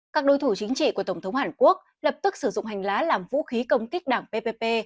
các đối thủ chính trị của tổng thống hàn quốc lập tức sử dụng hành lá làm vũ khí công kích đảng ppp